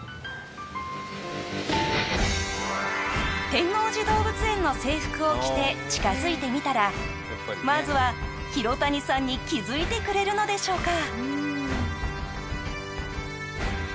天王寺動物園の制服を着て近づいてみたらマーズは廣谷さんに気づいてくれるのでしょうか？